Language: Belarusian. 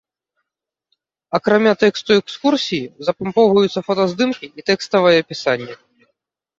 Акрамя тэксту экскурсіі запампоўваюцца фотаздымкі і тэкставае апісанне.